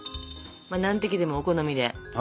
何滴でもお好みで。